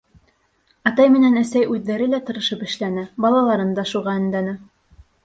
Атай менән әсәй үҙҙәре лә тырышып эшләне, балаларын да шуға өндәне.